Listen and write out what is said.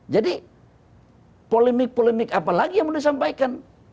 jadi polemik polemik apa lagi yang boleh disampaikan